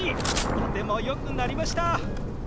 とてもよくなりました！